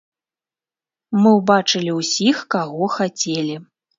Мы ўбачылі ўсіх, каго хацелі.